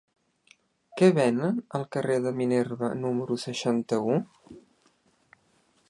Què venen al carrer de Minerva número seixanta-u?